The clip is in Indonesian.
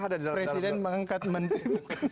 ada di dalam presiden mengangkat menteri